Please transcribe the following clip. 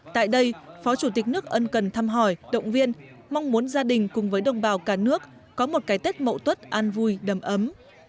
tại đây phó chủ tịch nước ân cần thăm hỏi động viên mong muốn gia đình cùng với đồng bào cả nước có một cái tết mậu tuất an vui đầm ấm